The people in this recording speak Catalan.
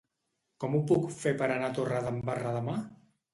Com ho puc fer per anar a Torredembarra demà?